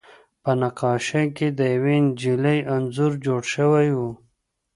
په نقاشۍ کې د یوې نجلۍ انځور جوړ شوی و